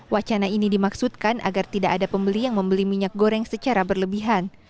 wacana ini dimaksudkan agar tidak ada pembeli yang membeli minyak goreng secara berlebihan